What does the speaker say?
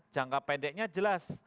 jangka pendeknya jelas